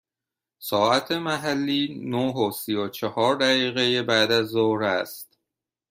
ساعت محلی نه و سی و چهار دقیقه بعد از ظهر است.